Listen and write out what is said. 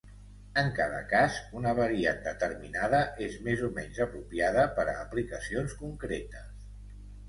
En cada cas, una variant determinada és més o menys apropiada per a aplicacions concretes.